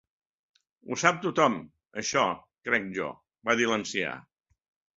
"Ho sap tothom, això, crec jo" va dir l'ancià.